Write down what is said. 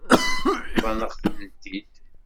Bḍan-aɣ-tent-id.